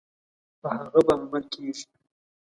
په هغه به عمل کیږي.